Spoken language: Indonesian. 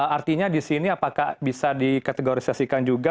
artinya di sini apakah bisa dikategorisasikan juga